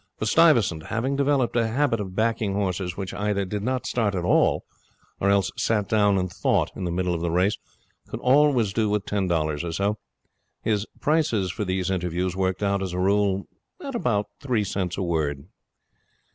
For Stuyvesant, having developed a habit of backing horses which either did not start at all or else sat down and thought in the middle of the race, could always do with ten dollars or so. His prices for these interviews worked out, as a rule, at about three cents a word.